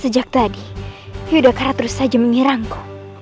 sejak tadi yudhakara terus saja menyerangku